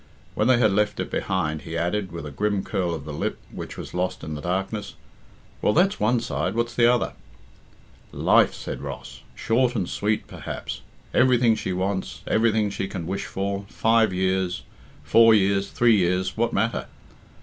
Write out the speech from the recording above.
When they had left it behind, he added, with a grim curl of the lip, which was lost in the darkness, "Well, that's one side. What's the other?" "Life," said Ross. "Short and sweet, perhaps. Everything she wants, everything she can wish for five years, four years, three years what matter?"